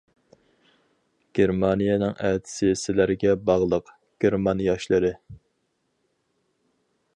گېرمانىيەنىڭ ئەتىسى سىلەرگە باغلىق، گېرمان ياشلىرى.